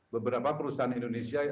beberapa perusahaan indonesia